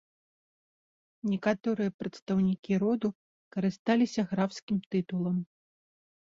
Некаторыя прадстаўнікі роду карысталіся графскім тытулам.